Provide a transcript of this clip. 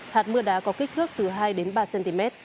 hạt mưa đá có kích thước từ hai ba cm